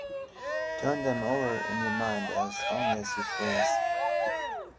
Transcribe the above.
Turn them over in your mind as long as you please.